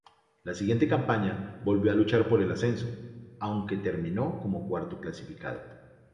La siguiente campaña volvió a luchar por el ascenso, aunque terminó como cuarto clasificado.